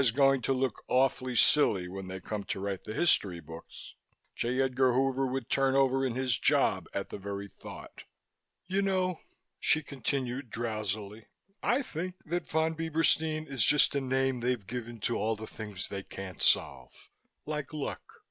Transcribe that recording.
B.I.'s going to look awfully silly when they come to write the history books. J. Edgar Hoover would turn over in his job at the very thought." "You know," she continued drowsily, "I think that Von Bieberstein is just a name they've given to all the things they can't solve. Like luck.